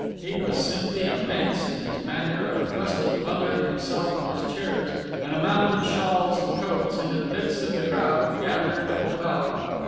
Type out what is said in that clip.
He was simply immense in his manner of thrusting Mother and himself and his chairs and a mound of shawls and coats into the midst of the crowd gathered at the bow.